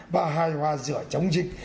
và hài hòa giữa chống dịch